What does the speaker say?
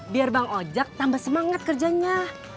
biar bang ojek tambah semangat kerjanya